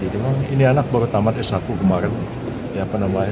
dia bilang ini anak baru tamat s satu kemarin ya apa namanya